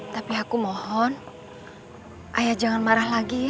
tapi aku mohon ayah jangan marah lagi